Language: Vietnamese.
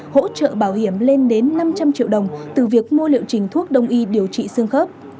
hỗ trợ bảo hiểm lên đến năm trăm linh triệu đồng từ việc mua liệu trình thuốc đông y điều trị xương khớp